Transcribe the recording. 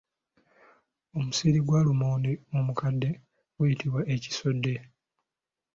Omusiri gwa lumonde omukadde guyitibwa ekisodde.